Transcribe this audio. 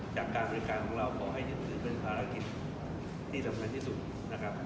จากการบริการของเราขอให้ยึดถือเป็นภารกิจที่สำคัญที่สุดนะครับ